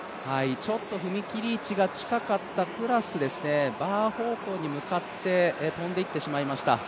ちょっと踏み切り位置が近かったプラスバー方向に跳んでいってしまいました。